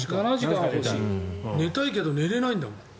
寝たいけど寝れないんだもん。